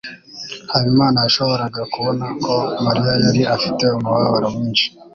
Habimana yashoboraga kubona ko Mariya yari afite umubabaro mwinshi.